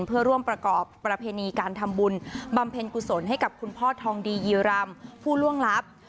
เพื่อร่วมประกอบประเพณีการทำบุญบำเพ็ญกุศลให้กับคุณพ่อทองดียีรำผู้ล่วงลับ